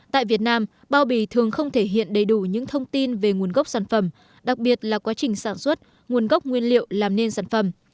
tại việt nam bao bì thường không thể hiện đầy đủ những thông tin về nguồn gốc sản phẩm đặc biệt là quá trình sản xuất nguồn gốc nguyên liệu làm nên sản phẩm